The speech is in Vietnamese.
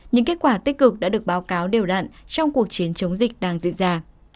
những kết quả tích cực đã được báo cáo đều đặn trong cuộc chiến chống dịch đang diễn ra